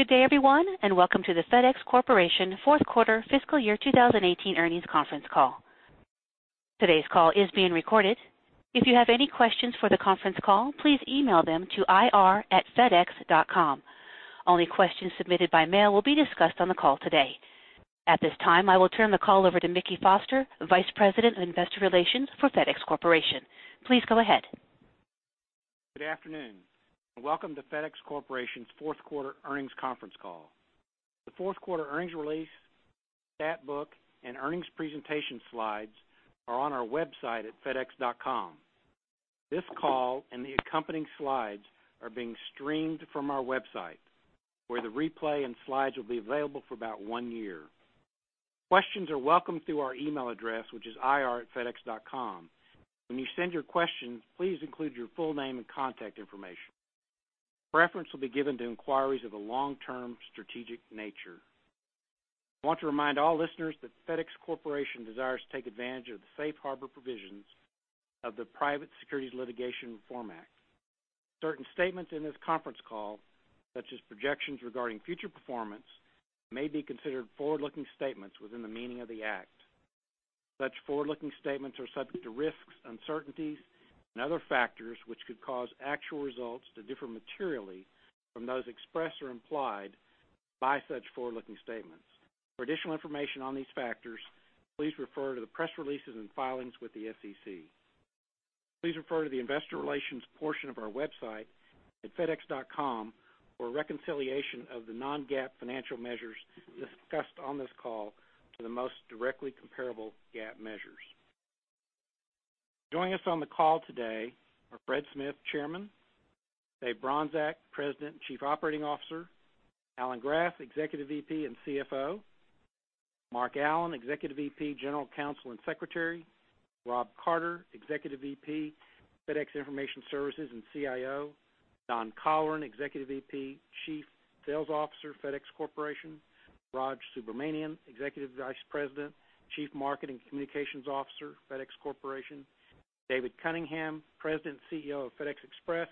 Good day, everyone. Welcome to the FedEx Corporation Fourth Quarter Fiscal Year 2018 Earnings Conference Call. Today's call is being recorded. If you have any questions for the conference call, please email them to ir@fedex.com. Only questions submitted by mail will be discussed on the call today. At this time, I will turn the call over to Mickey Foster, Vice President of Investor Relations for FedEx Corporation. Please go ahead. Good afternoon. Welcome to FedEx Corporation's fourth quarter earnings conference call. The fourth quarter earnings release, stat book, and earnings presentation slides are on our website at fedex.com. This call and the accompanying slides are being streamed from our website, where the replay and slides will be available for about one year. Questions are welcome through our email address, which is ir@fedex.com. When you send your question, please include your full name and contact information. Preference will be given to inquiries of a long-term strategic nature. I want to remind all listeners that FedEx Corporation desires to take advantage of the safe harbor provisions of the Private Securities Litigation Reform Act. Certain statements in this conference call, such as projections regarding future performance, may be considered forward-looking statements within the meaning of the Act. Such forward-looking statements are subject to risks, uncertainties, and other factors which could cause actual results to differ materially from those expressed or implied by such forward-looking statements. For additional information on these factors, please refer to the press releases and filings with the SEC. Please refer to the investor relations portion of our website at fedex.com for a reconciliation of the non-GAAP financial measures discussed on this call to the most directly comparable GAAP measures. Joining us on the call today are Fred Smith, Chairman; Dave Bronczek, President and Chief Operating Officer; Alan Graf, Executive VP and CFO; Mark Allen, Executive VP, General Counsel, and Secretary; Rob Carter, Executive VP, FedEx Information Services, and CIO; Don Colleran, Executive VP, Chief Sales Officer, FedEx Corporation; Raj Subramaniam, Executive Vice President, Chief Marketing Communications Officer, FedEx Corporation; David Cunningham, President and CEO of FedEx Express;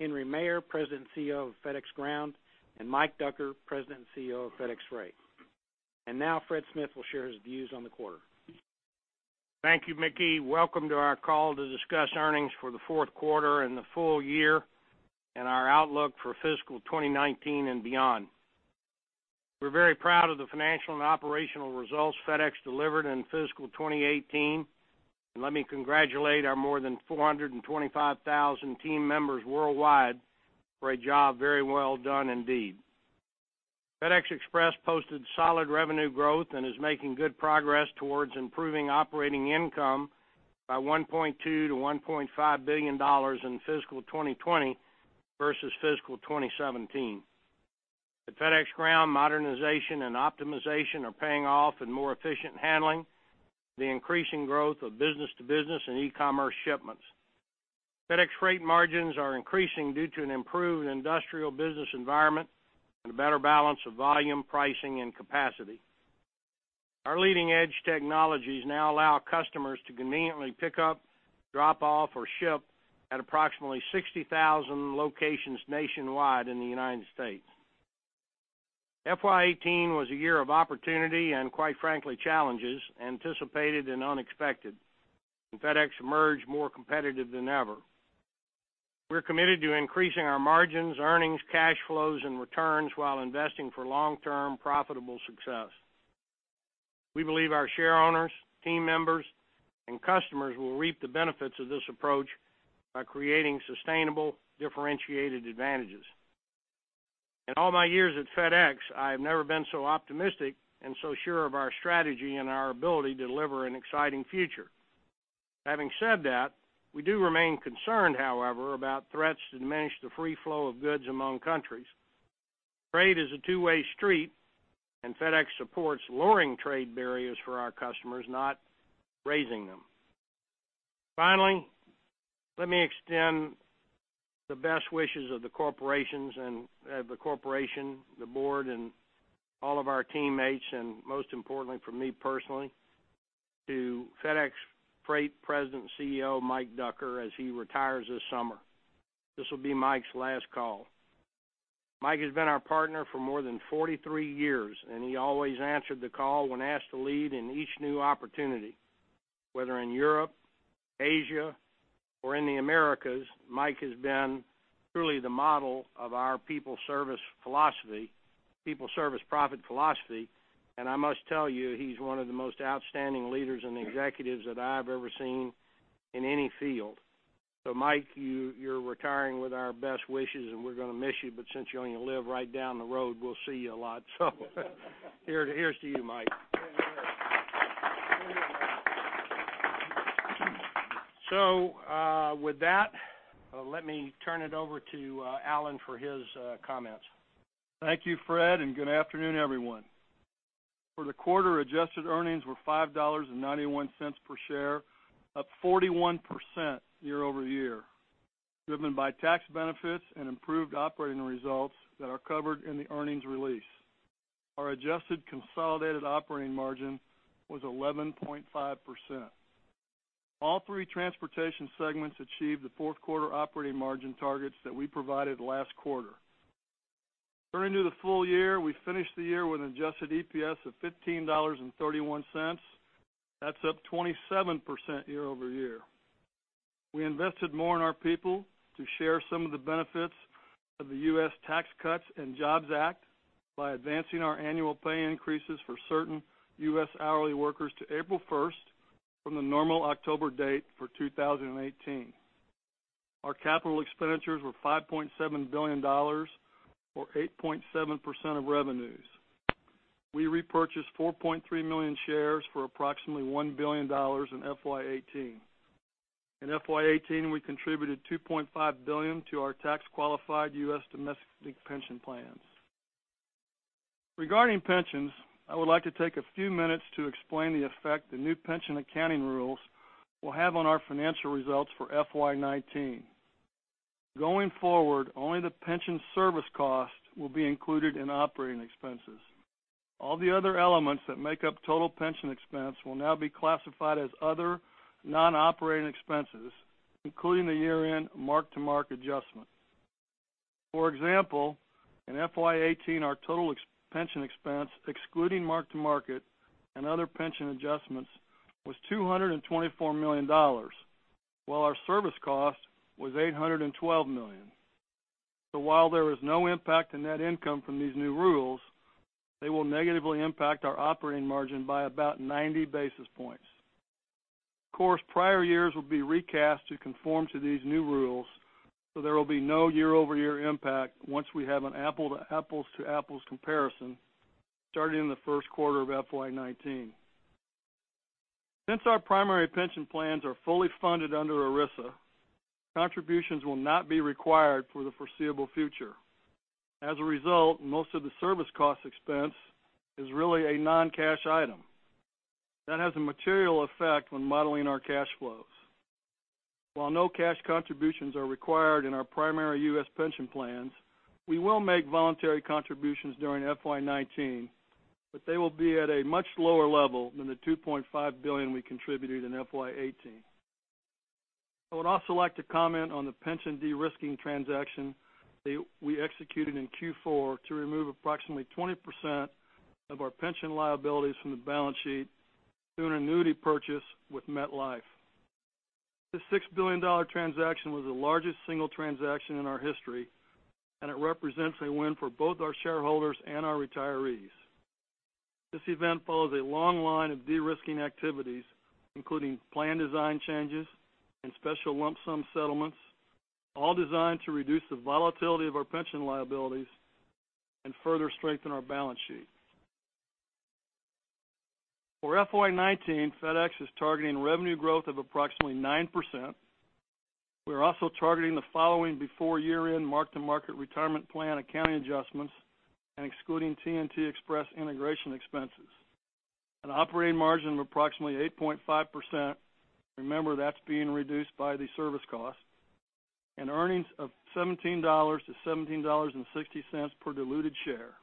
Henry Maier, President and CEO of FedEx Ground, and Mike Ducker, President and CEO of FedEx Freight. Now Fred Smith will share his views on the quarter. Thank you, Mickey. Welcome to our call to discuss earnings for the fourth quarter and the full year, our outlook for fiscal 2019 and beyond. We're very proud of the financial and operational results FedEx delivered in fiscal 2018. Let me congratulate our more than 425,000 team members worldwide for a job very well done indeed. FedEx Express posted solid revenue growth and is making good progress towards improving operating income by $1.2 billion-$1.5 billion in fiscal 2020 versus fiscal 2017. At FedEx Ground, modernization and optimization are paying off in more efficient handling, the increasing growth of B2B and e-commerce shipments. FedEx Freight margins are increasing due to an improved industrial business environment and a better balance of volume, pricing, and capacity. Our leading-edge technologies now allow customers to conveniently pick up, drop off, or ship at approximately 60,000 locations nationwide in the U.S. FY 2018 was a year of opportunity, quite frankly, challenges, anticipated and unexpected. FedEx emerged more competitive than ever. We're committed to increasing our margins, earnings, cash flows, and returns while investing for long-term profitable success. We believe our share owners, team members, and customers will reap the benefits of this approach by creating sustainable differentiated advantages. In all my years at FedEx, I have never been so optimistic and so sure of our strategy and our ability to deliver an exciting future. Having said that, we do remain concerned, however, about threats to diminish the free flow of goods among countries. Trade is a two-way street, and FedEx supports lowering trade barriers for our customers, not raising them. Finally, let me extend the best wishes of the corporation, the board, and all of our teammates, and most importantly for me personally, to FedEx Freight President and CEO Mike Ducker as he retires this summer. This will be Mike's last call. Mike has been our partner for more than 43 years, and he always answered the call when asked to lead in each new opportunity. Whether in Europe, Asia, or in the Americas, Mike has been truly the model of our people, service, profit philosophy, and I must tell you, he's one of the most outstanding leaders and executives that I've ever seen in any field. Mike, you're retiring with our best wishes, and we're going to miss you, but since you only live right down the road, we'll see you a lot. Here's to you, Mike. With that, let me turn it over to Alan for his comments. Thank you, Fred, and good afternoon, everyone. For the quarter, adjusted earnings were $5.91 per share, up 41% year-over-year, driven by tax benefits and improved operating results that are covered in the earnings release. Our adjusted consolidated operating margin was 11.5%. All three transportation segments achieved the fourth quarter operating margin targets that we provided last quarter. Turning to the full year, we finished the year with an adjusted EPS of $15.31. That is up 27% year-over-year. We invested more in our people to share some of the benefits of the U.S. Tax Cuts and Jobs Act by advancing our annual pay increases for certain U.S. hourly workers to April 1st from the normal October date for 2018. Our capital expenditures were $5.7 billion, or 8.7% of revenues. We repurchased 4.3 million shares for approximately $1 billion in FY 2018. In FY 2018, we contributed $2.5 billion to our tax-qualified U.S. domestic pension plans. Regarding pensions, I would like to take a few minutes to explain the effect the new pension accounting rules will have on our financial results for FY 2019. Going forward, only the pension service cost will be included in operating expenses. All the other elements that make up total pension expense will now be classified as other non-operating expenses, including the year-end mark-to-market adjustment. For example, in FY 2018, our total pension expense, excluding mark-to-market and other pension adjustments, was $224 million, while our service cost was $812 million. While there is no impact on net income from these new rules, they will negatively impact our operating margin by about 90 basis points. Of course, prior years will be recast to conform to these new rules, so there will be no year-over-year impact once we have an apples to apples comparison starting in the first quarter of FY 2019. Since our primary pension plans are fully funded under ERISA, contributions will not be required for the foreseeable future. As a result, most of the service cost expense is really a non-cash item. That has a material effect when modeling our cash flows. While no cash contributions are required in our primary U.S. pension plans, we will make voluntary contributions during FY 2019, but they will be at a much lower level than the $2.5 billion we contributed in FY 2018. I would also like to comment on the pension de-risking transaction that we executed in Q4 to remove approximately 20% of our pension liabilities from the balance sheet through an annuity purchase with MetLife. This $6 billion transaction was the largest single transaction in our history, and it represents a win for both our shareholders and our retirees. This event follows a long line of de-risking activities, including plan design changes and special lump sum settlements, all designed to reduce the volatility of our pension liabilities and further strengthen our balance sheet. For FY 2019, FedEx is targeting revenue growth of approximately 9%. We are also targeting the following before year-end mark-to-market retirement plan accounting adjustments and excluding TNT Express integration expenses, an operating margin of approximately 8.5%. Remember, that is being reduced by the service cost, and earnings of $17 to $17.60 per diluted share.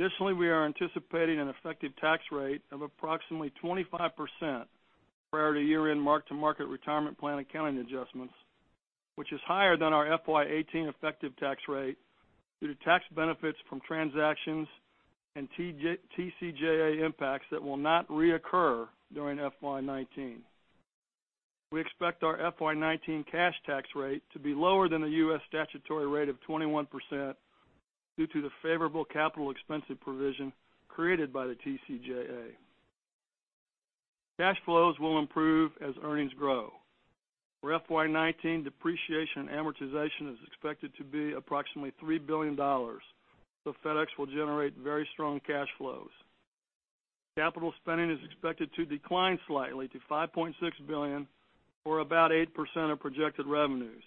Additionally, we are anticipating an effective tax rate of approximately 25% prior to year-end mark-to-market retirement plan accounting adjustments, which is higher than our FY 2018 effective tax rate due to tax benefits from transactions and TCJA impacts that will not reoccur during FY 2019. We expect our FY 2019 cash tax rate to be lower than the U.S. statutory rate of 21% due to the favorable capital expensive provision created by the TCJA. Cash flows will improve as earnings grow. For FY 2019, depreciation and amortization is expected to be approximately $3 billion, so FedEx will generate very strong cash flows. Capital spending is expected to decline slightly to $5.6 billion, or about 8% of projected revenues.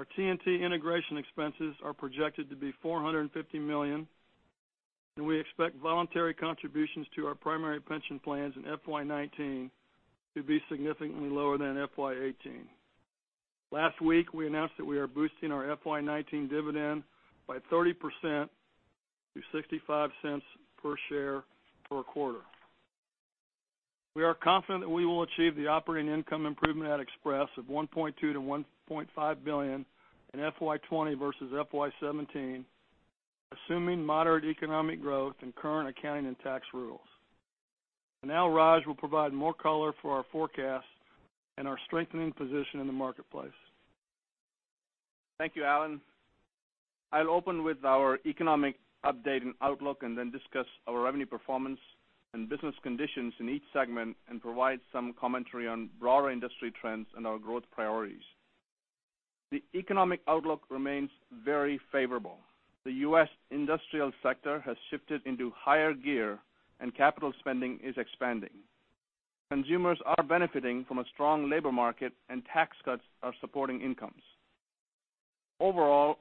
Our TNT integration expenses are projected to be $450 million, and we expect voluntary contributions to our primary pension plans in FY 2019 to be significantly lower than FY 2018. Last week, we announced that we are boosting our FY 2019 dividend by 30% to $0.65 per share per quarter. We are confident that we will achieve the operating income improvement at Express of $1.2 billion to $1.5 billion in FY 2020 versus FY 2017, assuming moderate economic growth and current accounting and tax rules. Now Raj will provide more color for our forecast and our strengthening position in the marketplace. Thank you, Alan. I will open with our economic update and outlook and then discuss our revenue performance and business conditions in each segment and provide some commentary on broader industry trends and our growth priorities. The economic outlook remains very favorable. The U.S. industrial sector has shifted into higher gear and capital spending is expanding. Consumers are benefiting from a strong labor market and tax cuts are supporting incomes. Overall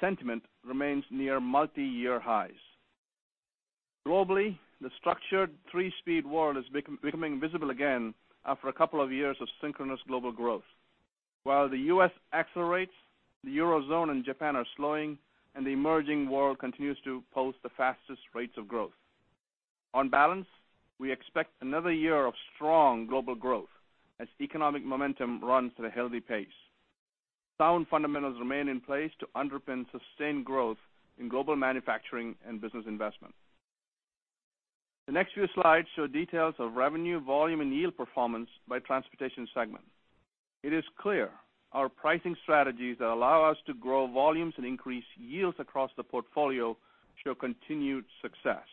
sentiment remains near multi-year highs. Globally, the structured three-speed world is becoming visible again after a couple of years of synchronous global growth. While the U.S. accelerates, the Eurozone and Japan are slowing, and the emerging world continues to post the fastest rates of growth. On balance, we expect another year of strong global growth as economic momentum runs at a healthy pace. Sound fundamentals remain in place to underpin sustained growth in global manufacturing and business investment. The next few slides show details of revenue, volume, and yield performance by transportation segment. It is clear our pricing strategies that allow us to grow volumes and increase yields across the portfolio show continued success.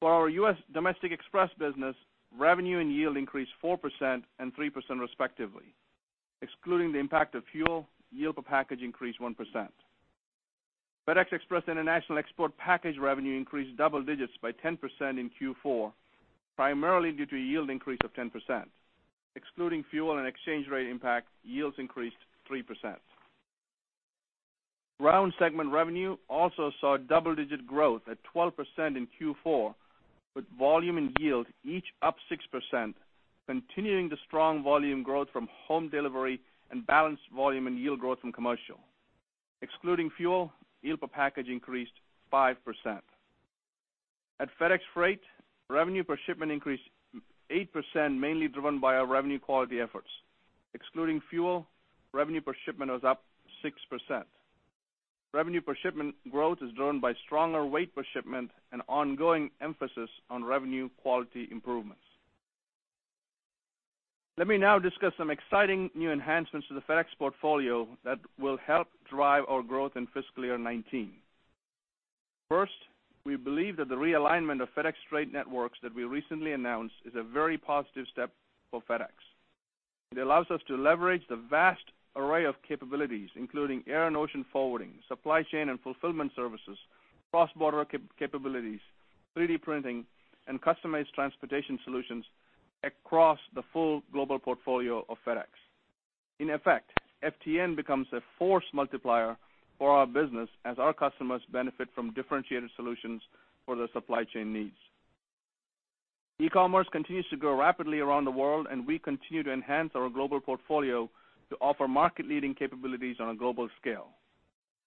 For our U.S. Domestic Express business, revenue and yield increased 4% and 3% respectively. Excluding the impact of fuel, yield per package increased 1%. FedEx Express International export package revenue increased double digits by 10% in Q4, primarily due to a yield increase of 10%. Excluding fuel and exchange rate impact, yields increased 3%. Ground segment revenue also saw double-digit growth at 12% in Q4, with volume and yield each up 6%, continuing the strong volume growth from home delivery and balanced volume and yield growth from commercial. Excluding fuel, yield per package increased 5%. At FedEx Freight, revenue per shipment increased 8%, mainly driven by our revenue quality efforts. Excluding fuel, revenue per shipment was up 6%. Revenue per shipment growth is driven by stronger weight per shipment and ongoing emphasis on revenue quality improvements. Let me now discuss some exciting new enhancements to the FedEx portfolio that will help drive our growth in fiscal year 2019. First, we believe that the realignment of FedEx Trade Networks that we recently announced is a very positive step for FedEx. It allows us to leverage the vast array of capabilities, including air and ocean forwarding, supply chain and fulfillment services, cross-border capabilities, 3D printing, and customized transportation solutions across the full global portfolio of FedEx. In effect, FTN becomes a force multiplier for our business as our customers benefit from differentiated solutions for their supply chain needs. E-commerce continues to grow rapidly around the world, and we continue to enhance our global portfolio to offer market-leading capabilities on a global scale.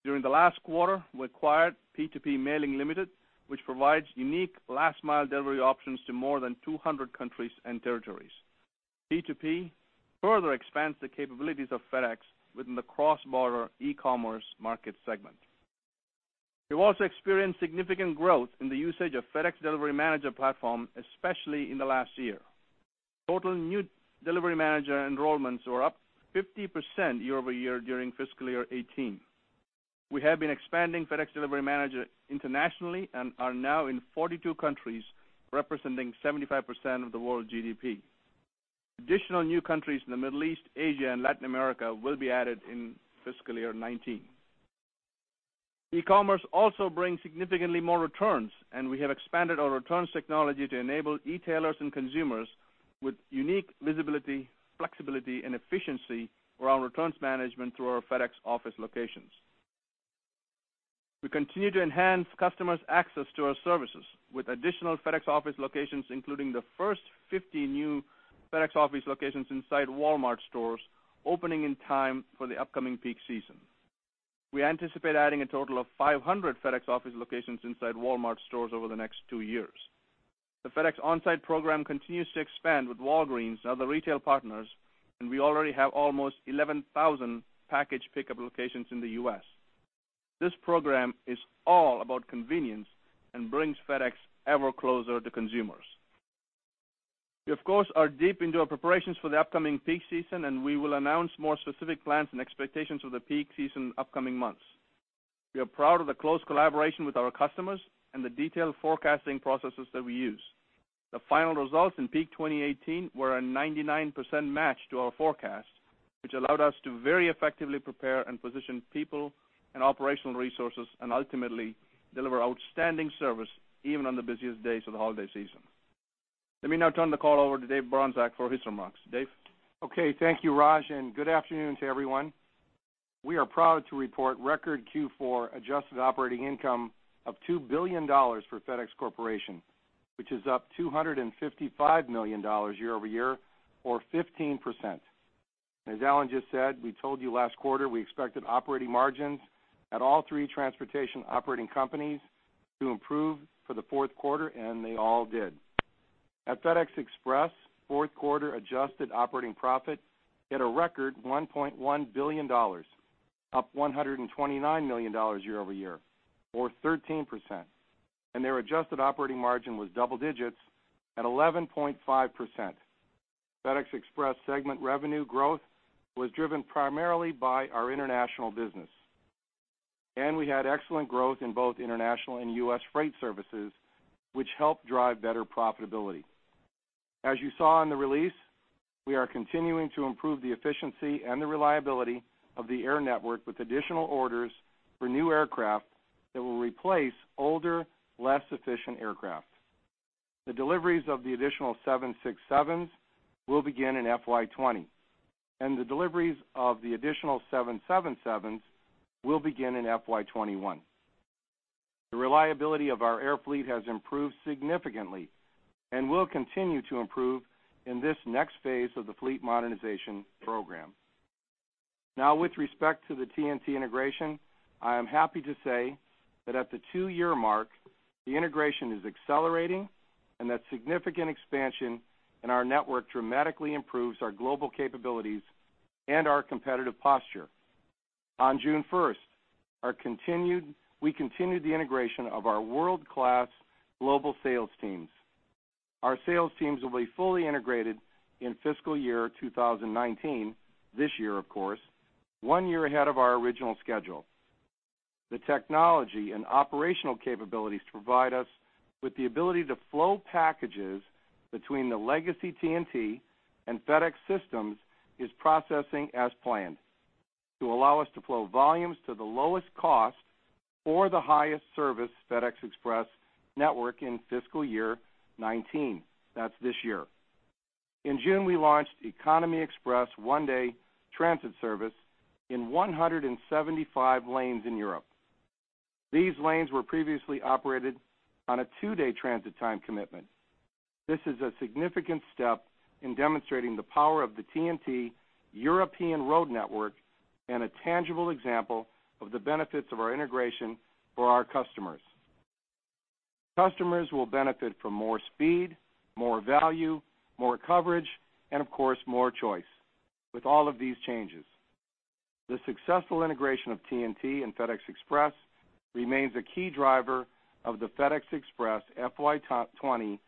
During the last quarter, we acquired P2P Mailing Limited, which provides unique last-mile delivery options to more than 200 countries and territories. P2P further expands the capabilities of FedEx within the cross-border e-commerce market segment. We've also experienced significant growth in the usage of FedEx Delivery Manager platform, especially in the last year. Total new Delivery Manager enrollments were up 50% year over year during fiscal year 2018. We have been expanding FedEx Delivery Manager internationally and are now in 42 countries, representing 75% of the world GDP. Additional new countries in the Middle East, Asia, and Latin America will be added in fiscal year 2019. E-commerce also brings significantly more returns, and we have expanded our returns technology to enable e-tailers and consumers with unique visibility, flexibility, and efficiency around returns management through our FedEx Office locations. We continue to enhance customers' access to our services with additional FedEx Office locations, including the first 50 new FedEx Office locations inside Walmart stores, opening in time for the upcoming peak season. We anticipate adding a total of 500 FedEx Office locations inside Walmart stores over the next two years. The FedEx Onsite program continues to expand with Walgreens and other retail partners, and we already have almost 11,000 package pickup locations in the U.S. This program is all about convenience and brings FedEx ever closer to consumers. We, of course, are deep into our preparations for the upcoming peak season, and we will announce more specific plans and expectations for the peak season in the upcoming months. We are proud of the close collaboration with our customers and the detailed forecasting processes that we use. The final results in peak 2018 were a 99% match to our forecast, which allowed us to very effectively prepare and position people and operational resources, and ultimately deliver outstanding service even on the busiest days of the holiday season. Let me now turn the call over to Dave Bronczek for his remarks. Dave? Okay. Thank you, Raj, and good afternoon to everyone. We are proud to report record Q4 adjusted operating income of $2 billion for FedEx Corporation, which is up $255 million year-over-year, or 15%. As Alan just said, we told you last quarter we expected operating margins at all three transportation operating companies to improve for the fourth quarter, and they all did. At FedEx Express, fourth quarter adjusted operating profit hit a record $1.1 billion, up $129 million year-over-year, or 13%. Their adjusted operating margin was double digits at 11.5%. FedEx Express segment revenue growth was driven primarily by our international business. We had excellent growth in both international and U.S. freight services, which helped drive better profitability. As you saw in the release, we are continuing to improve the efficiency and the reliability of the air network with additional orders for new aircraft that will replace older, less efficient aircraft. The deliveries of the additional 767s will begin in FY 2020, and the deliveries of the additional 777s will begin in FY 2021. The reliability of our air fleet has improved significantly and will continue to improve in this next phase of the fleet modernization program. Now, with respect to the TNT integration, I am happy to say that at the two-year mark, the integration is accelerating and that significant expansion in our network dramatically improves our global capabilities and our competitive posture. On June 1st, we continued the integration of our world-class global sales teams. Our sales teams will be fully integrated in fiscal year 2019, this year, of course, one year ahead of our original schedule. The technology and operational capabilities provide us with the ability to flow packages between the legacy TNT and FedEx systems is processing as planned to allow us to flow volumes to the lowest cost or the highest service FedEx Express network in fiscal year 2019, that's this year. In June, we launched Economy Express one-day transit service in 175 lanes in Europe. These lanes were previously operated on a two-day transit time commitment. This is a significant step in demonstrating the power of the TNT European road network and a tangible example of the benefits of our integration for our customers. Customers will benefit from more speed, more value, more coverage, and of course, more choice with all of these changes. The successful integration of TNT and FedEx Express remains a key driver of the FedEx Express FY 2020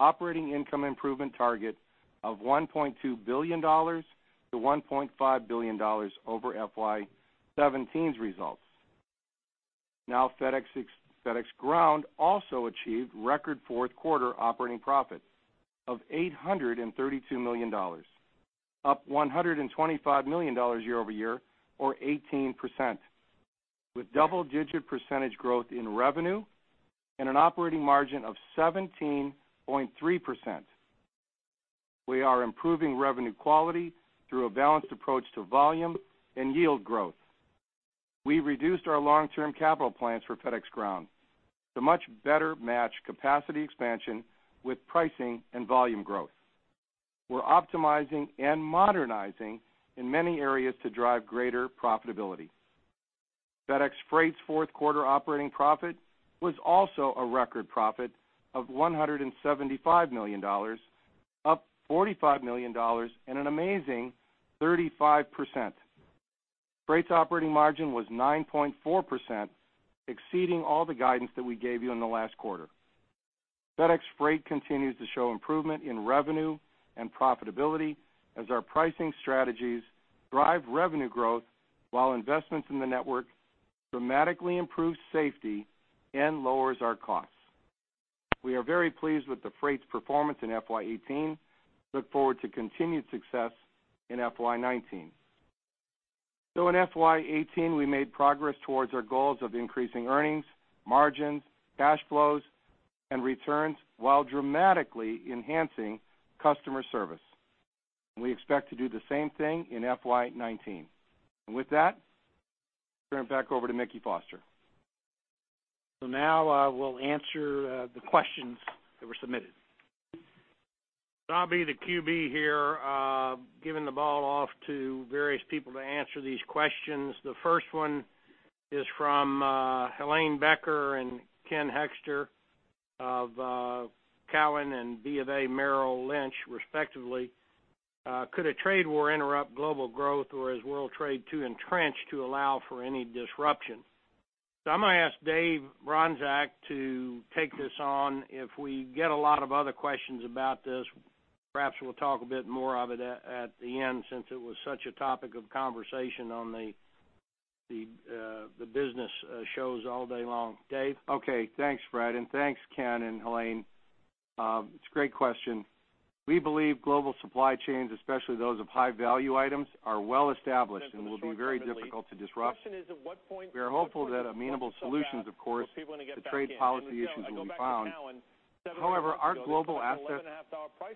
operating income improvement target of $1.2 billion-$1.5 billion over FY 2017's results. FedEx Ground also achieved record fourth quarter operating profit of $832 million, up $125 million year-over-year, or 18%, with double-digit percentage growth in revenue and an operating margin of 17.3%. We are improving revenue quality through a balanced approach to volume and yield growth. We reduced our long-term capital plans for FedEx Ground to much better match capacity expansion with pricing and volume growth. We're optimizing and modernizing in many areas to drive greater profitability. FedEx Freight's fourth quarter operating profit was also a record profit of $175 million, up $45 million and an amazing 35%. Freight's operating margin was 9.4%, exceeding all the guidance that we gave you in the last quarter. FedEx Freight continues to show improvement in revenue and profitability as our pricing strategies drive revenue growth while investments in the network dramatically improve safety and lowers our costs. We are very pleased with the Freight's performance in FY 2018. Look forward to continued success in FY 2019. In FY 2018, we made progress towards our goals of increasing earnings, margins, cash flows, and returns, while dramatically enhancing customer service. We expect to do the same thing in FY 2019. With that, turn it back over to Mickey Foster. Now, we'll answer the questions that were submitted. I'll be the QB here, giving the ball off to various people to answer these questions. The first one is from Helane Becker and Ken Hoexter of Cowen and BofA Merrill Lynch, respectively. Could a trade war interrupt global growth, or is world trade too entrenched to allow for any disruption? I'm going to ask Dave Bronczek to take this on. If we get a lot of other questions about this, perhaps we'll talk a bit more of it at the end, since it was such a topic of conversation on the business shows all day long. Dave? Okay. Thanks, Fred, and thanks Ken and Helane. It's a great question. We believe global supply chains, especially those of high-value items, are well established and will be very difficult to disrupt. We are hopeful that amenable solutions, of course, to trade policy issues can be found. However, our global assets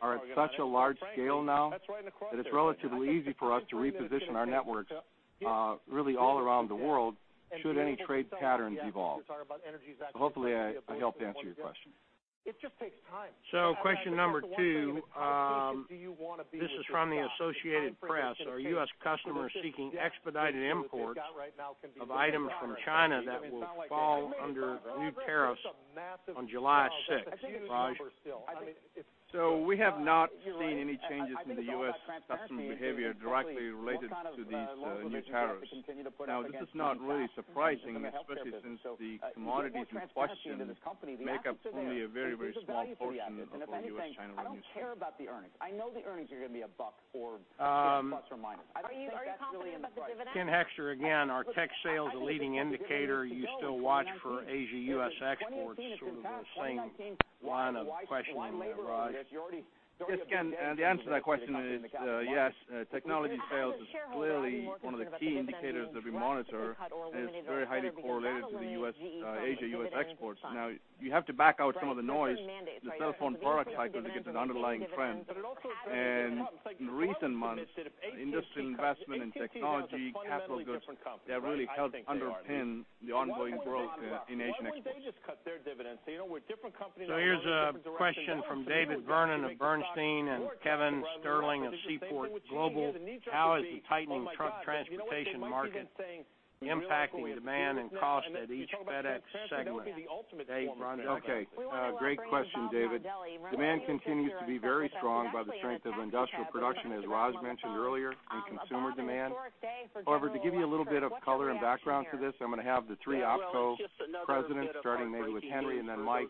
are at such a large scale now that it's relatively easy for us to reposition our networks, really all around the world should any trade patterns evolve. Hopefully, I helped answer your question. Question number 2. This is from The Associated Press. Are U.S. customers seeking expedited imports of items from China that will fall under new tariffs on July 6th, Raj? We have not seen any changes in the U.S. customer behavior directly related to these new tariffs. This is not really surprising, especially since the commodities in question make up only a very small portion of the U.S. general industry. Ken Hoexter again. Are tech sales a leading indicator? You still watch for Asia U.S. exports, sort of a same line of questioning there, Raj? Yes, Ken. The answer to that question is yes. Technology sales is clearly one of the key indicators that we monitor, and it's very highly correlated to the Asia U.S. exports. You have to back out some of the noise, the cell phone product cycle to get to the underlying trend. In recent months, industry investment in technology, capital goods, that really helped underpin the ongoing growth in Asia exports. Here's a question from David Vernon of Bernstein. Kevin Sterling of Seaport Global. How is the tightening truck transportation market impacting demand and cost at each FedEx segment? Dave Bronczek. Okay. Great question, David. Demand continues to be very strong by the strength of industrial production, as Raj mentioned earlier, and consumer demand. However, to give you a little bit of color and background to this, I'm going to have the three OPCO presidents, starting maybe with Henry, and then Mike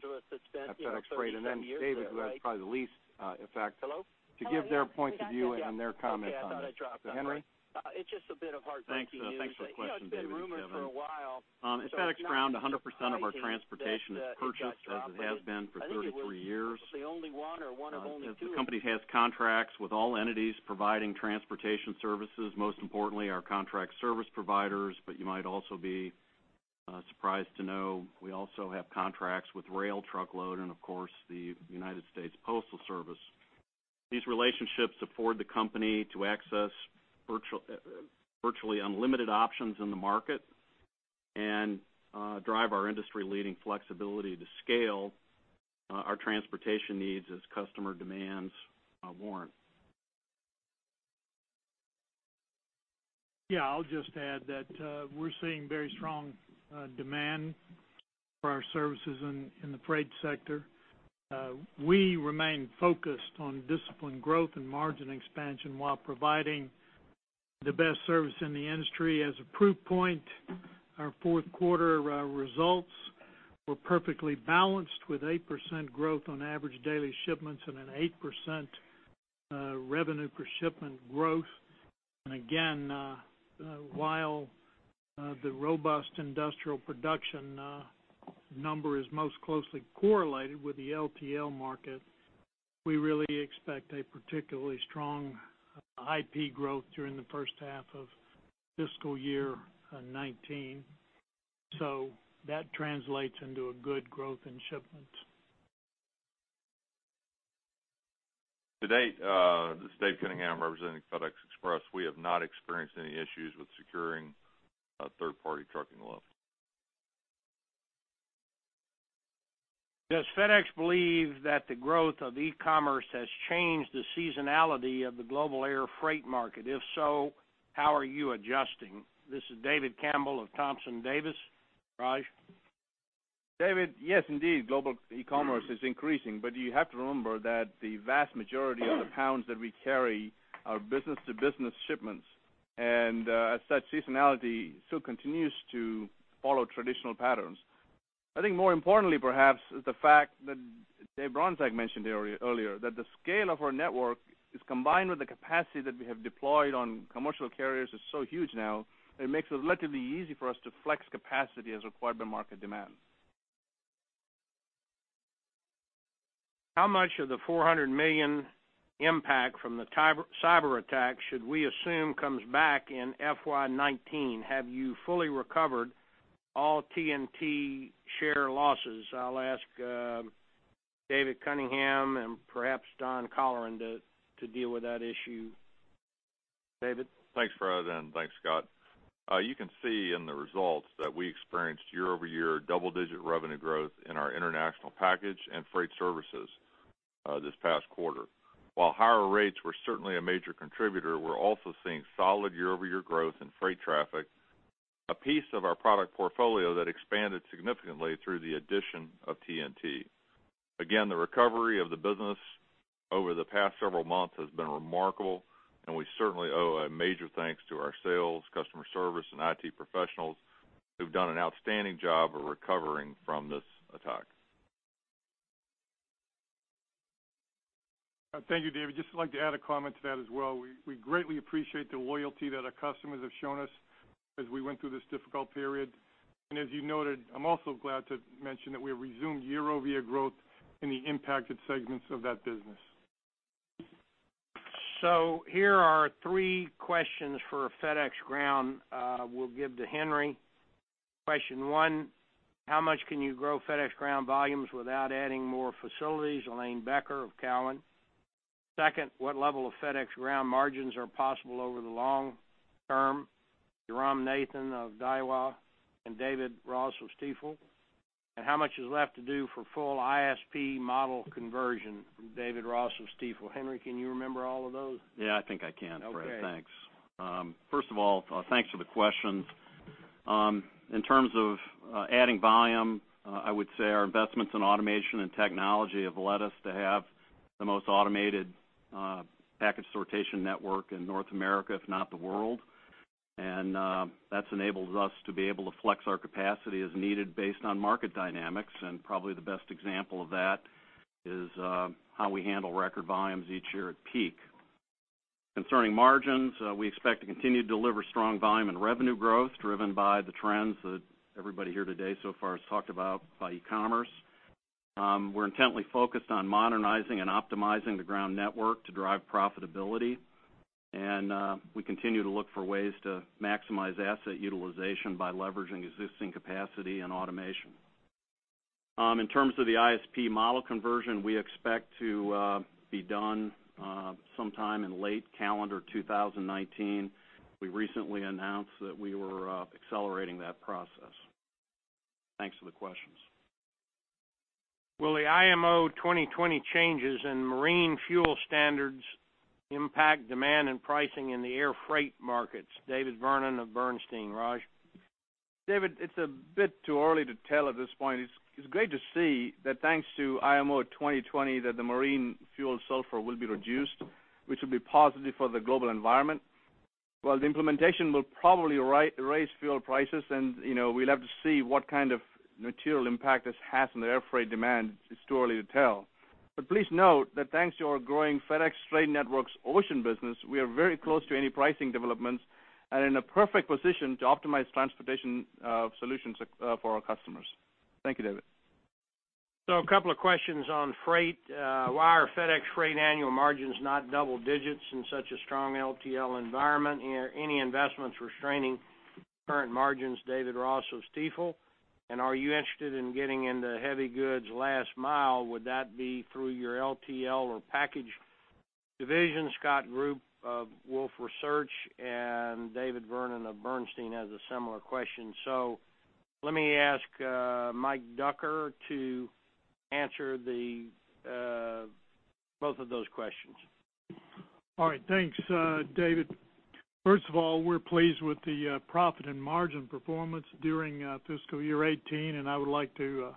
at FedEx Freight, and then David, who has probably the least effect, to give their points of view and their comments on this. Henry? Thanks for the question, David and Kevin. At FedEx Ground, 100% of our transportation is purchased as it has been for 33 years. The company has contracts with all entities providing transportation services, most importantly, our contract service providers, but you might also be surprised to know we also have contracts with rail, truckload, and of course, the United States Postal Service. These relationships afford the company to access virtually unlimited options in the market and drive our industry-leading flexibility to scale our transportation needs as customer demands warrant. Yeah, I'll just add that we're seeing very strong demand for our services in the freight sector. We remain focused on disciplined growth and margin expansion while providing the best service in the industry. As a proof point, our fourth quarter results were perfectly balanced with 8% growth on average daily shipments and an 8% revenue per shipment growth. While the robust Industrial Production number is most closely correlated with the LTL market, we really expect a particularly strong IP growth during the first half of fiscal year 2019. That translates into a good growth in shipments. This is David Cunningham representing FedEx Express. We have not experienced any issues with securing third-party trucking loads. Does FedEx believe that the growth of e-commerce has changed the seasonality of the global air freight market? If so, how are you adjusting?" This is David Campbell of Thompson Davis. Raj? David, yes, indeed, global e-commerce is increasing. You have to remember that the vast majority of the pounds that we carry are business-to-business shipments, and as such, seasonality still continues to follow traditional patterns. I think more importantly perhaps is the fact that Dave Bronczek mentioned earlier, that the scale of our network is combined with the capacity that we have deployed on commercial carriers is so huge now that it makes it relatively easy for us to flex capacity as required by market demand. How much of the $400 million impact from the cyber attack should we assume comes back in FY 2019? Have you fully recovered all TNT share losses? I will ask David Cunningham and perhaps Don Colleran to deal with that issue. David? Thanks, Fred, and thanks, Scott. You can see in the results that we experienced year-over-year double-digit revenue growth in our international package and freight services this past quarter. Higher rates were certainly a major contributor, we are also seeing solid year-over-year growth in freight traffic, a piece of our product portfolio that expanded significantly through the addition of TNT. The recovery of the business over the past several months has been remarkable, and we certainly owe a major thanks to our sales, customer service, and IT professionals, who have done an outstanding job of recovering from this attack. Thank you, David. Just like to add a comment to that as well. We greatly appreciate the loyalty that our customers have shown us as we went through this difficult period. As you noted, I am also glad to mention that we have resumed year-over-year growth in the impacted segments of that business. Here are three questions for FedEx Ground we will give to Henry. Question one, how much can you grow FedEx Ground volumes without adding more facilities? Helane Becker of Cowen. Second, what level of FedEx Ground margins are possible over the long term? Jairam Nathan of Daiwa and David Ross of Stifel. How much is left to do for full ISP model conversion from David Ross of Stifel. Henry, can you remember all of those? Yeah, I think I can, Fred. Okay. Thanks. First of all, thanks for the questions. In terms of adding volume, I would say our investments in automation and technology have led us to have the most automated package sortation network in North America, if not the world, and that's enabled us to be able to flex our capacity as needed based on market dynamics. Probably the best example of that is how we handle record volumes each year at peak. Concerning margins, we expect to continue to deliver strong volume and revenue growth driven by the trends that everybody here today so far has talked about by e-commerce. We're intently focused on modernizing and optimizing the Ground network to drive profitability. We continue to look for ways to maximize asset utilization by leveraging existing capacity and automation. In terms of the ISP model conversion, we expect to be done sometime in late calendar 2019. We recently announced that we were accelerating that process. Thanks for the questions. Will the IMO 2020 changes in marine fuel standards impact demand and pricing in the air freight markets?" David Vernon of Bernstein. Raj? David, it's a bit too early to tell at this point. It's great to see that thanks to IMO 2020, that the marine fuel sulfur will be reduced, which will be positive for the global environment. While the implementation will probably raise fuel prices, and we'll have to see what kind of material impact this has on the air freight demand, it's too early to tell. Please note that thanks to our growing FedEx Trade Networks ocean business, we are very close to any pricing developments, and in a perfect position to optimize transportation solutions for our customers. Thank you, David. A couple of questions on freight. "Why are FedEx Freight annual margins not double digits in such a strong LTL environment? Any investments restraining current margins?" David Ross of Stifel. "Are you interested in getting into heavy goods last mile? Would that be through your LTL or package division?" Scott Group of Wolfe Research, and David Vernon of Bernstein has a similar question. Let me ask Mike Ducker to answer both of those questions. All right. Thanks, David. First of all, we're pleased with the profit and margin performance during fiscal year 2018, and I would like to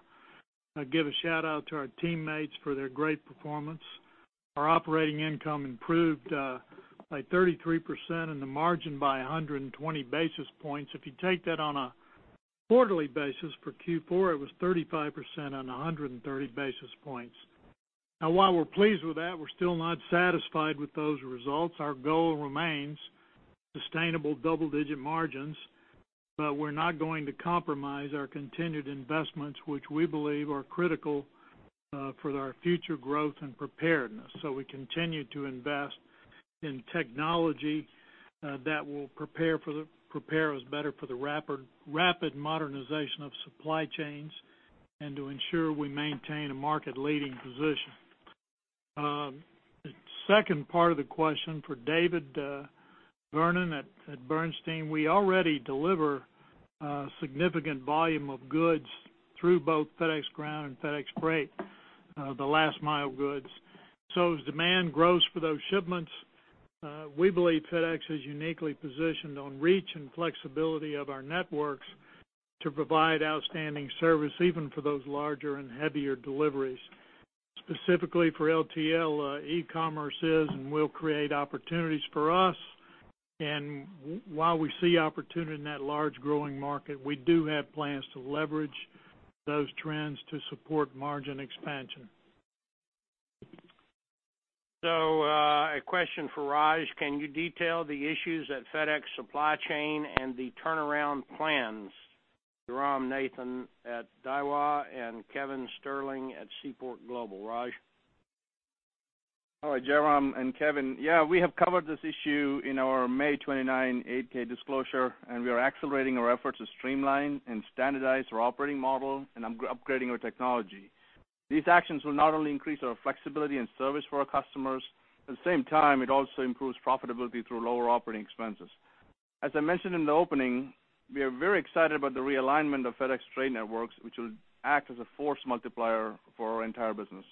give a shout-out to our teammates for their great performance. Our operating income improved by 33%, and the margin by 120 basis points. If you take that on a quarterly basis for Q4, it was 35% on 130 basis points. While we're pleased with that, we're still not satisfied with those results. Our goal remains sustainable double-digit margins. We're not going to compromise our continued investments, which we believe are critical for our future growth and preparedness. We continue to invest in technology that will prepare us better for the rapid modernization of supply chains, and to ensure we maintain a market-leading position. The second part of the question for David Vernon at Bernstein. We already deliver a significant volume of goods through both FedEx Ground and FedEx Freight, the last mile goods. As demand grows for those shipments, we believe FedEx is uniquely positioned on reach and flexibility of our networks to provide outstanding service, even for those larger and heavier deliveries. Specifically for LTL, e-commerce is and will create opportunities for us. While we see opportunity in that large growing market, we do have plans to leverage those trends to support margin expansion. A question for Raj. "Can you detail the issues at FedEx Supply Chain and the turnaround plans?" Jairam Nathan at Daiwa and Kevin Sterling at Seaport Global. Raj? All right, Jairam and Kevin. We have covered this issue in our May 29 8-K disclosure, we are accelerating our efforts to streamline and standardize our operating model, upgrading our technology. These actions will not only increase our flexibility and service for our customers, at the same time, it also improves profitability through lower operating expenses. As I mentioned in the opening, we are very excited about the realignment of FedEx Trade Networks, which will act as a force multiplier for our entire business.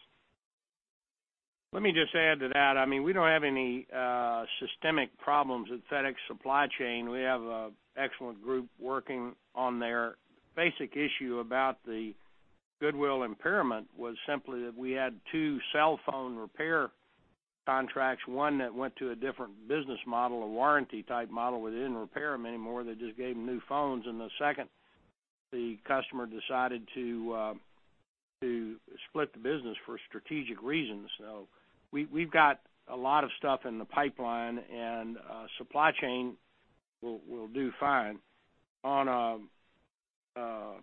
Let me just add to that. We don't have any systemic problems with FedEx Supply Chain. We have an excellent group working on there. Basic issue about the goodwill impairment was simply that we had two cellphone repair contracts, one that went to a different business model, a warranty type model. We didn't repair them anymore, they just gave them new phones. The second, the customer decided to split the business for strategic reasons. We've got a lot of stuff in the pipeline, and Supply Chain will do fine. On a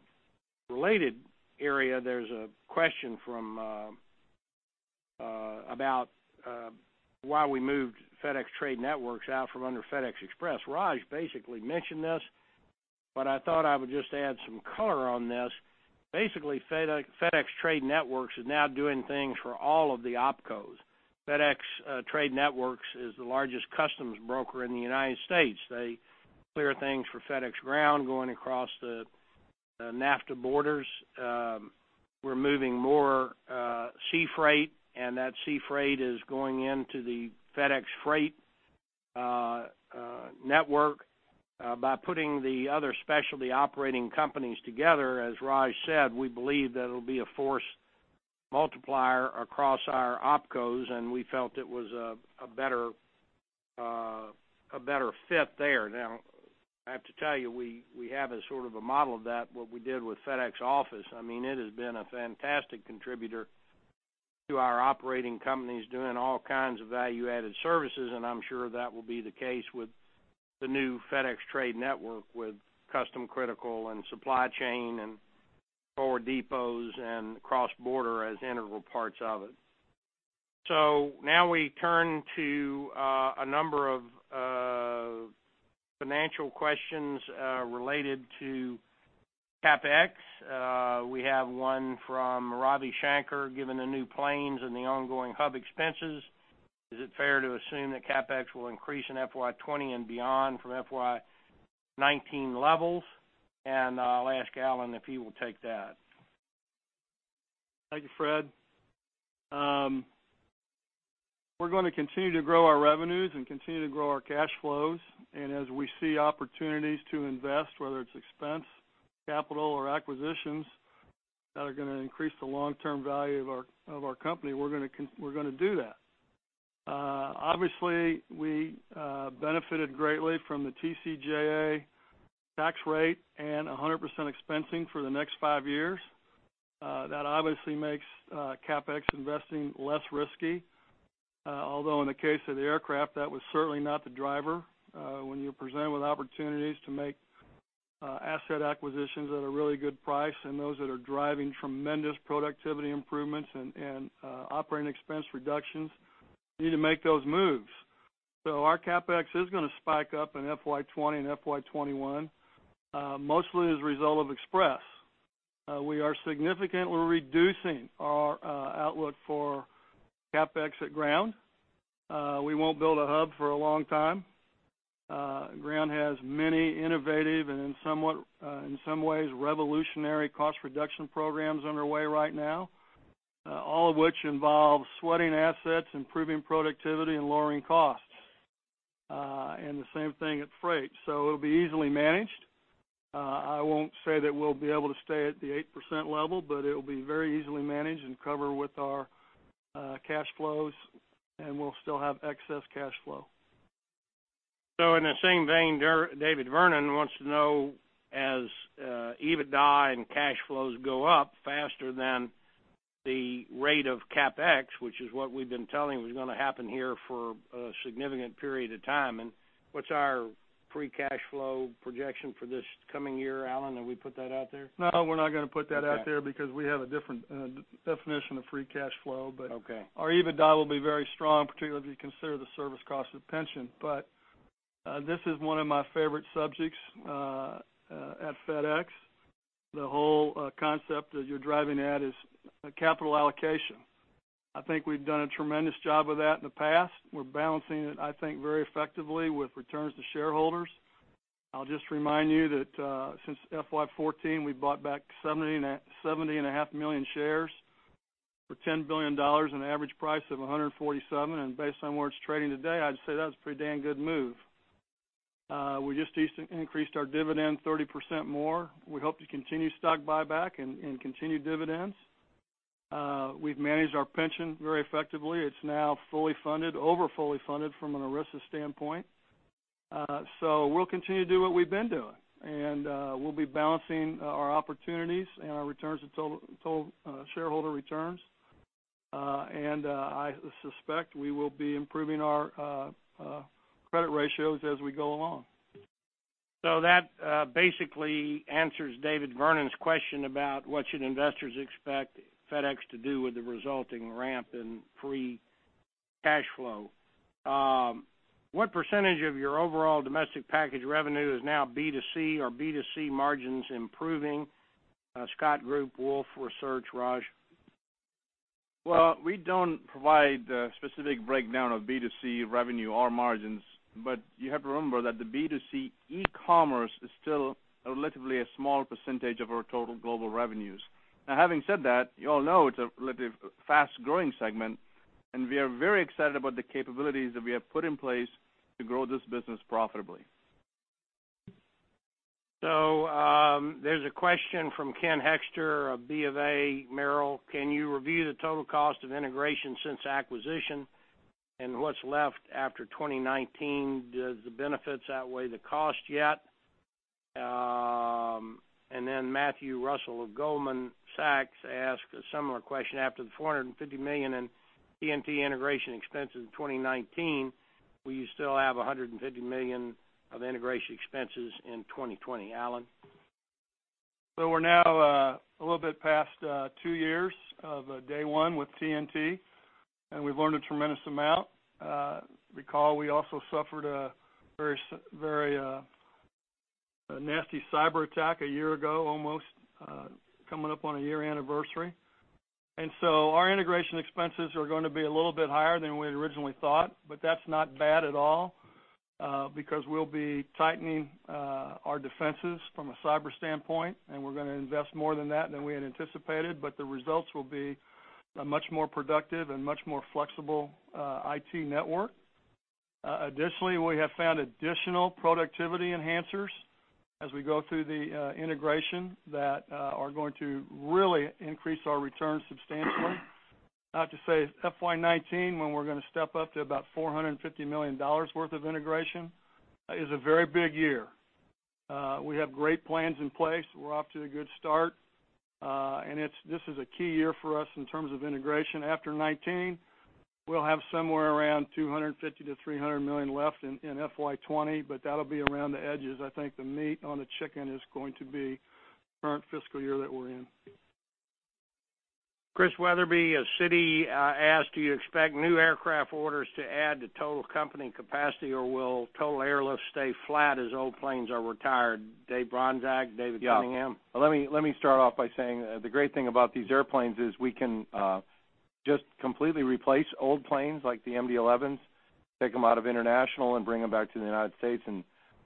related area, there's a question about why we moved FedEx Trade Networks out from under FedEx Express. Raj basically mentioned this, but I thought I would just add some color on this. Basically, FedEx Trade Networks is now doing things for all of the opcos. FedEx Trade Networks is the largest customs broker in the U.S. They clear things for FedEx Ground going across the NAFTA borders. We're moving more sea freight, that sea freight is going into the FedEx Freight network. By putting the other specialty operating companies together, as Raj said, we believe that it'll be a force multiplier across our opcos, we felt it was a better fit there. I have to tell you, we have a sort of a model of that, what we did with FedEx Office. It has been a fantastic contributor to our operating companies doing all kinds of value-added services, I'm sure that will be the case with the new FedEx Trade Network, with FedEx Custom Critical and FedEx Supply Chain and FedEx Forward Depots and FedEx Cross Border as integral parts of it. We turn to a number of financial questions related to CapEx. We have one from Ravi Shanker. Given the new planes and the ongoing hub expenses, is it fair to assume that CapEx will increase in FY 2020 and beyond from FY 2019 levels? I'll ask Alan if he will take that. Thank you, Fred. We're going to continue to grow our revenues and continue to grow our cash flows. As we see opportunities to invest, whether it's expense, capital, or acquisitions that are going to increase the long-term value of our company, we're going to do that. Obviously, we benefited greatly from the TCJA tax rate and 100% expensing for the next five years. That obviously makes CapEx investing less risky. Although in the case of the aircraft, that was certainly not the driver. When you're presented with opportunities to make asset acquisitions at a really good price and those that are driving tremendous productivity improvements and operating expense reductions, you need to make those moves. Our CapEx is going to spike up in FY 2020 and FY 2021, mostly as a result of Express. We are significantly reducing our outlook for CapEx at Ground. We won't build a hub for a long time. Ground has many innovative and, in some ways, revolutionary cost reduction programs underway right now, all of which involve sweating assets, improving productivity, and lowering costs. The same thing at Freight. It'll be easily managed. I won't say that we'll be able to stay at the 8% level, but it'll be very easily managed and covered with our cash flows, and we'll still have excess cash flow. In the same vein, David Vernon wants to know, as EBITDA and cash flows go up faster than the rate of CapEx, which is what we've been telling was going to happen here for a significant period of time, what's our free cash flow projection for this coming year, Alan? Have we put that out there? No, we're not going to put that out there because we have a different definition of free cash flow. Okay. Our EBITDA will be very strong, particularly if you consider the service cost of pension. This is one of my favorite subjects at FedEx. The whole concept that you're driving at is capital allocation. I think we've done a tremendous job of that in the past. We're balancing it, I think, very effectively with returns to shareholders. I'll just remind you that since FY 2014, we bought back 70.5 million shares for $10 billion, an average price of $147. Based on where it's trading today, I'd say that was a pretty damn good move. We just increased our dividend 30% more. We hope to continue stock buyback and continue dividends. We've managed our pension very effectively. It's now fully funded, over fully funded from an ERISA standpoint. We'll continue to do what we've been doing, and we'll be balancing our opportunities and our shareholder returns. I suspect we will be improving our credit ratios as we go along. That basically answers David Vernon's question about what should investors expect FedEx to do with the resulting ramp in free cash flow. What percentage of your overall domestic package revenue is now B2C? Are B2C margins improving? Scott Group, Wolfe Research. Raj? Well, we don't provide a specific breakdown of B2C revenue or margins, but you have to remember that the B2C e-commerce is still relatively a small percentage of our total global revenues. Having said that, you all know it's a relatively fast-growing segment, and we are very excited about the capabilities that we have put in place to grow this business profitably. There's a question from Ken Hoexter of BofA Merrill. Can you review the total cost of integration since acquisition and what's left after 2019? Do the benefits outweigh the cost yet? Matthew Russell of Goldman Sachs asked a similar question. After the $450 million in TNT integration expenses in 2019, will you still have $150 million of integration expenses in 2020? Alan? We're now a little bit past two years of day one with TNT, and we've learned a tremendous amount. Recall, we also suffered a very nasty cyberattack a year ago almost, coming up on our year anniversary. Our integration expenses are going to be a little bit higher than we had originally thought, but that's not bad at all because we'll be tightening our defenses from a cyber standpoint, and we're going to invest more than that than we had anticipated. The results will be a much more productive and much more flexible IT network. Additionally, we have found additional productivity enhancers as we go through the integration that are going to really increase our returns substantially. Not to say FY 2019, when we're going to step up to about $450 million worth of integration, is a very big year. We have great plans in place. We're off to a good start. This is a key year for us in terms of integration. After 2019, we'll have somewhere around $250 million-$300 million left in FY 2020, but that'll be around the edges. I think the meat on the chicken is going to be the current fiscal year that we're in. Chris Wetherbee of Citi asked, "Do you expect new aircraft orders to add to total company capacity, or will total airlift stay flat as old planes are retired?" Dave Bronczek, David Cunningham. Yeah. Let me start off by saying the great thing about these airplanes is we can just completely replace old planes like the MD-11s, take them out of international and bring them back to the United States,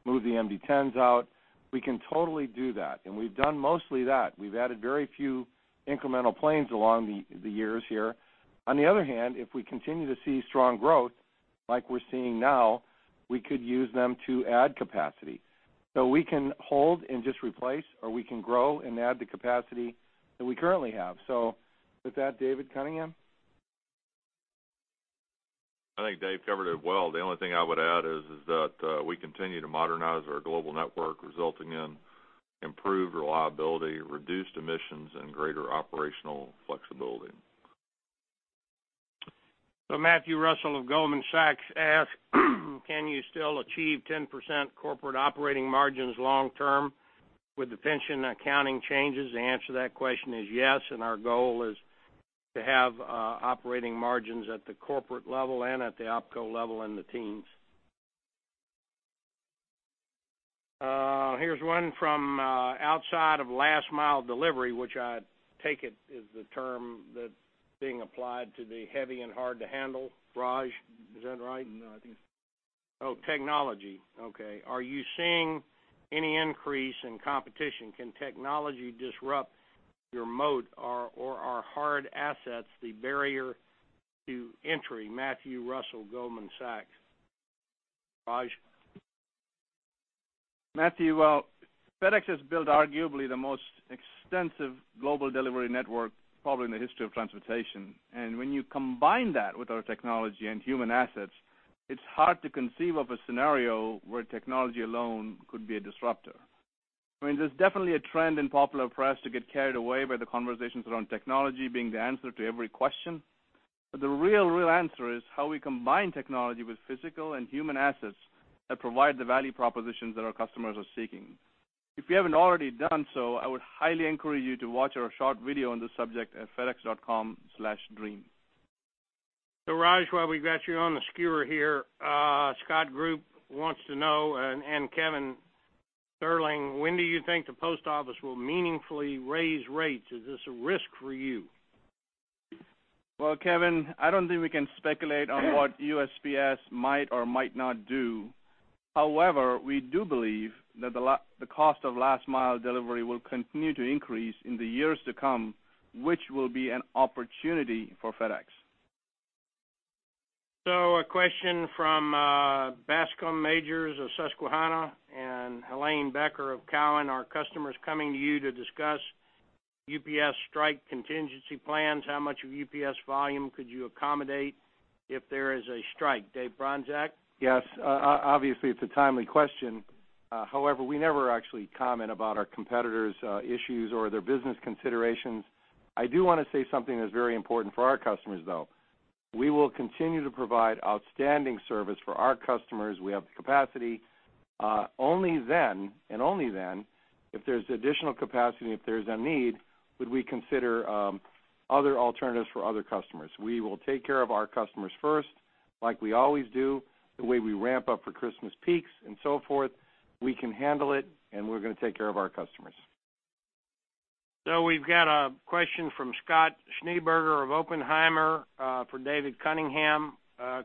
move the MD-10s out. We can totally do that, we've done mostly that. We've added very few incremental planes along the years here. On the other hand, if we continue to see strong growth like we're seeing now, we could use them to add capacity. We can hold and just replace, or we can grow and add the capacity that we currently have. With that, David Cunningham. I think Dave covered it well. The only thing I would add is that we continue to modernize our global network, resulting in improved reliability, reduced emissions, and greater operational flexibility. Matthew Russell of Goldman Sachs asked, "Can you still achieve 10% corporate operating margins long term with the pension accounting changes?" The answer to that question is yes, our goal is to have operating margins at the corporate level and at the opco level in the teens. Here's one from outside of last-mile delivery, which I take it is the term that's being applied to the heavy and hard-to-handle. Raj, is that right? No, I think Oh, technology. Okay. Are you seeing any increase in competition? Can technology disrupt your moat, or are hard assets the barrier to entry? Matthew Russell, Goldman Sachs. Raj. Matthew, well, FedEx has built arguably the most extensive global delivery network probably in the history of transportation. When you combine that with our technology and human assets, it's hard to conceive of a scenario where technology alone could be a disruptor. There's definitely a trend in popular press to get carried away by the conversations around technology being the answer to every question. The real answer is how we combine technology with physical and human assets that provide the value propositions that our customers are seeking. If you haven't already done so, I would highly encourage you to watch our short video on this subject at fedex.com/dream. Raj, while we've got you on the skewer here, Scott Group wants to know, and Kevin Sterling, When do you think the Post Office will meaningfully raise rates? Is this a risk for you? Well, Kevin, I don't think we can speculate on what USPS might or might not do. However, we do believe that the cost of last mile delivery will continue to increase in the years to come, which will be an opportunity for FedEx. A question from Bascome Majors of Susquehanna and Helane Becker of Cowen. "Are customers coming to you to discuss UPS strike contingency plans? How much of UPS volume could you accommodate if there is a strike?" Dave Bronczek? Yes. Obviously, it's a timely question. We never actually comment about our competitors' issues or their business considerations. I do want to say something that's very important for our customers, though. We will continue to provide outstanding service for our customers. We have the capacity. Only then, and only then, if there's additional capacity, if there's a need, would we consider other alternatives for other customers. We will take care of our customers first, like we always do, the way we ramp up for Christmas peaks and so forth. We can handle it, and we're going to take care of our customers. We've got a question from Scott Schneeberger of Oppenheimer for David Cunningham.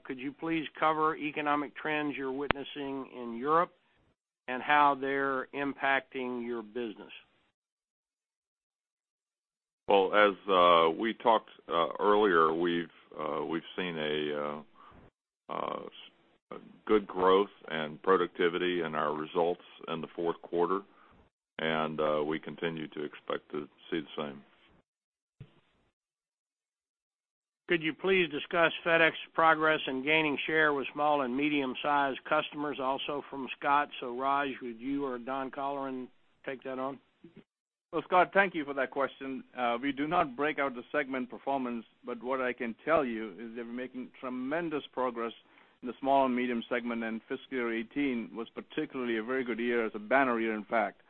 "Could you please cover economic trends you're witnessing in Europe and how they're impacting your business? Well, as we talked earlier, we've seen a good growth and productivity in our results in the fourth quarter, we continue to expect to see the same. Could you please discuss FedEx progress in gaining share with small and medium-sized customers?" Also from Scott. Raj, would you or Don Colleran take that on? Well, Scott, thank you for that question. We do not break out the segment performance, what I can tell you is that we're making tremendous progress in the small and medium segment, FY 2018 was particularly a very good year. It was a banner year, in fact.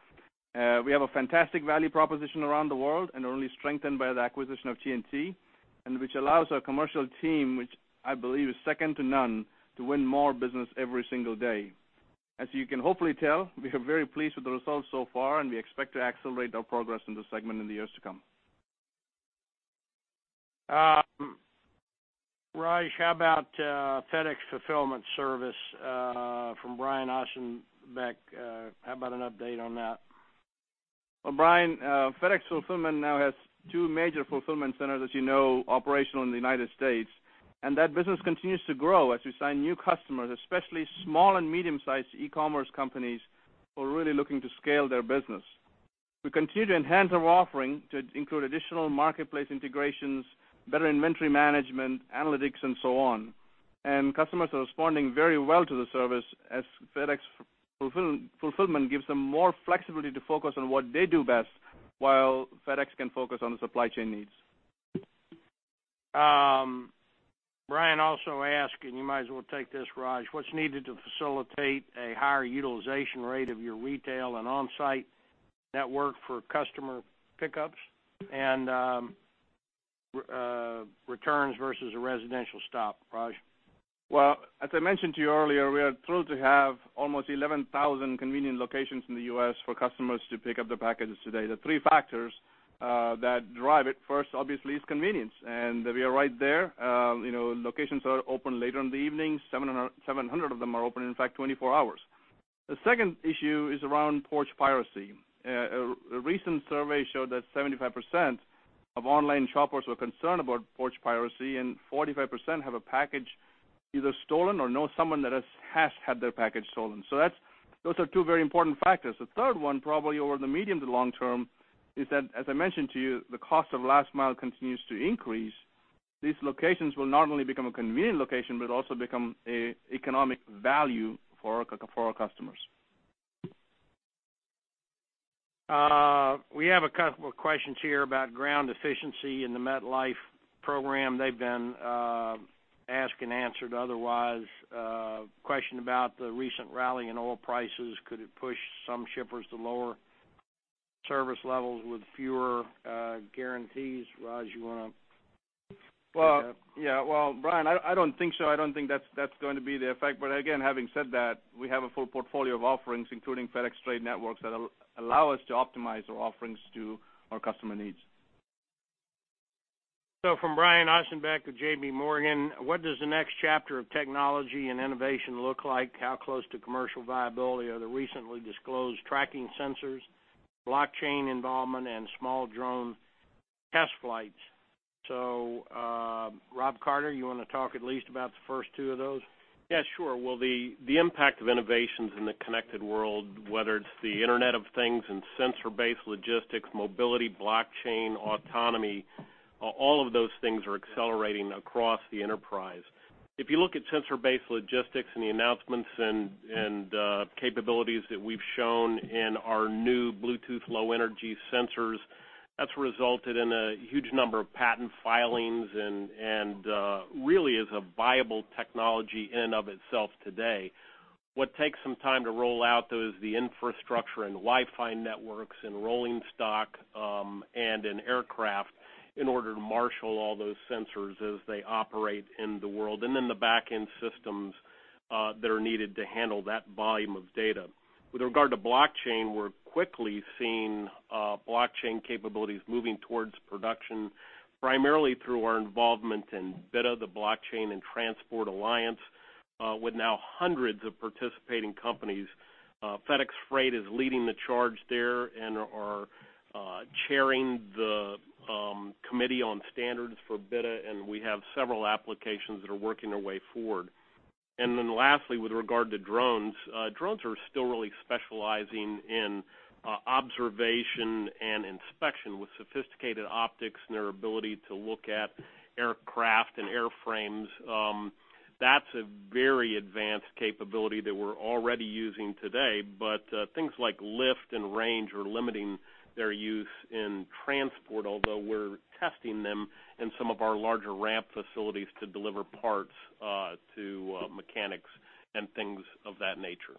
We have a fantastic value proposition around the world and are only strengthened by the acquisition of TNT, which allows our commercial team, which I believe is second to none, to win more business every single day. As you can hopefully tell, we are very pleased with the results so far, and we expect to accelerate our progress in this segment in the years to come. Raj, how about FedEx Fulfillment from Brian Ossenbeck. How about an update on that? Well, Brian, FedEx Fulfillment now has two major fulfillment centers, as you know, operational in the U.S., and that business continues to grow as we sign new customers, especially small and medium-sized e-commerce companies who are really looking to scale their business. We continue to enhance our offering to include additional marketplace integrations, better inventory management, analytics, and so on. Customers are responding very well to the service as FedEx Fulfillment gives them more flexibility to focus on what they do best while FedEx can focus on the supply chain needs. Brian also asked, you might as well take this, Raj, what's needed to facilitate a higher utilization rate of your retail and on-site network for customer pickups and returns versus a residential stop? Raj? Well, as I mentioned to you earlier, we are thrilled to have almost 11,000 convenient locations in the U.S. for customers to pick up their packages today. The three factors that drive it, first obviously, is convenience, and we are right there. Locations are open later in the evening. 700 of them are open, in fact, 24 hours. The second issue is around porch piracy. A recent survey showed that 75% of online shoppers were concerned about porch piracy, and 45% have a package either stolen or know someone that has had their package stolen. Those are two very important factors. The third one, probably over the medium to long term, is that, as I mentioned to you, the cost of last mile continues to increase. These locations will not only become a convenient location, but also become an economic value for our customers. We have a couple of questions here about ground efficiency in the MetLife program. They've been asked and answered otherwise. A question about the recent rally in oil prices, could it push some shippers to lower service levels with fewer guarantees? Raj, you want to take that? Yeah. Well, Brian, I don't think so. I don't think that's going to be the effect. Again, having said that, we have a full portfolio of offerings, including FedEx Trade Networks, that allow us to optimize our offerings to our customer needs. From Brian Ossenbeck with J.P. Morgan, what does the next chapter of technology and innovation look like? How close to commercial viability are the recently disclosed tracking sensors, blockchain involvement, and small drone test flights? Rob Carter, you want to talk at least about the first two of those? Yeah, sure. Well, the impact of innovations in the connected world, whether it's the Internet of Things and sensor-based logistics, mobility, blockchain, autonomy, all of those things are accelerating across the enterprise. If you look at sensor-based logistics and the announcements and capabilities that we've shown in our new Bluetooth Low Energy sensors, that's resulted in a huge number of patent filings and really is a viable technology in and of itself today. What takes some time to roll out, though, is the infrastructure and Wi-Fi networks and rolling stock, and in aircraft in order to marshal all those sensors as they operate in the world. Then the back-end systems that are needed to handle that volume of data. With regard to blockchain, we're quickly seeing blockchain capabilities moving towards production, primarily through our involvement in BITA, the Blockchain in Transport Alliance, with now hundreds of participating companies. FedEx Freight is leading the charge there and are chairing the committee on standards for BITA, we have several applications that are working their way forward. Lastly, with regard to drones are still really specializing in observation and inspection with sophisticated optics and their ability to look at aircraft and airframes. That's a very advanced capability that we're already using today. Things like lift and range are limiting their use in transport, although we're testing them in some of our larger ramp facilities to deliver parts to mechanics and things of that nature.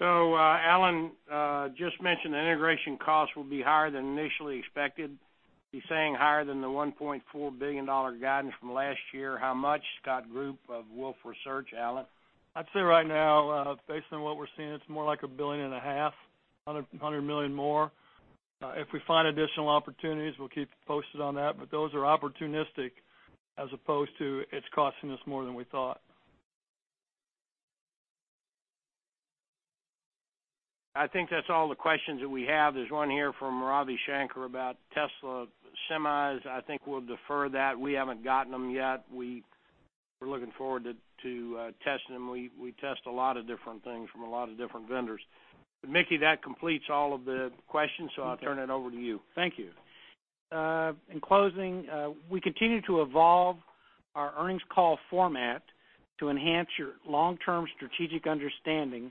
Alan just mentioned the integration cost will be higher than initially expected. He's saying higher than the $1.4 billion guidance from last year. How much, Scott Group of Wolfe Research, Alan? I'd say right now, based on what we're seeing, it's more like a billion and a half, $100 million more. If we find additional opportunities, we'll keep you posted on that. Those are opportunistic as opposed to, it's costing us more than we thought. I think that's all the questions that we have. There's one here from Ravi Shanker about Tesla Semi. I think we'll defer that. We haven't gotten them yet. We were looking forward to testing them. We test a lot of different things from a lot of different vendors. Mickey, that completes all of the questions, so I'll turn it over to you. Thank you. In closing, we continue to evolve our earnings call format to enhance your long-term strategic understanding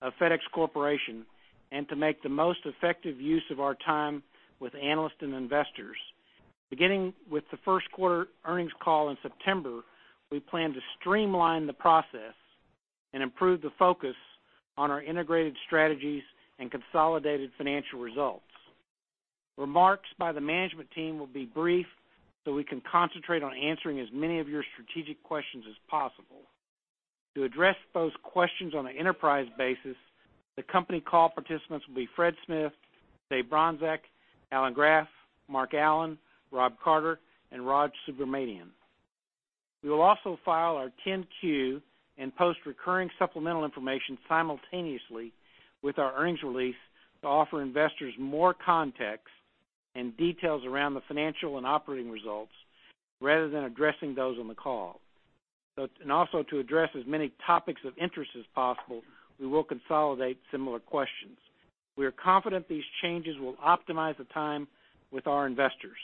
of FedEx Corporation and to make the most effective use of our time with analysts and investors. Beginning with the first quarter earnings call in September, we plan to streamline the process and improve the focus on our integrated strategies and consolidated financial results. Remarks by the management team will be brief so we can concentrate on answering as many of your strategic questions as possible. To address those questions on an enterprise basis, the company call participants will be Fred Smith, Dave Bronczek, Alan Graf, Mark Allen, Rob Carter, and Raj Subramaniam. We will also file our 10-Q and post recurring supplemental information simultaneously with our earnings release to offer investors more context and details around the financial and operating results, rather than addressing those on the call. Also to address as many topics of interest as possible, we will consolidate similar questions. We are confident these changes will optimize the time with our investors.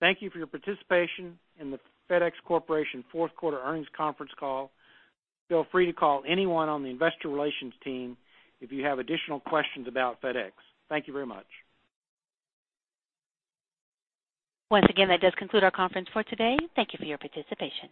Thank you for your participation in the FedEx Corporation fourth quarter earnings conference call. Feel free to call anyone on the investor relations team if you have additional questions about FedEx. Thank you very much. Once again, that does conclude our conference for today. Thank you for your participation.